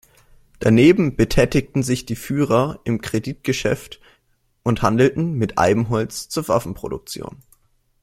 Daneben betätigten sich die Fürer im Kreditgeschäft und handelten mit Eibenholz zur Waffenproduktion.